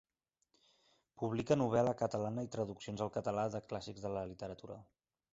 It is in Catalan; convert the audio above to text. Publica novel·la catalana i traduccions al català de clàssics de la literatura.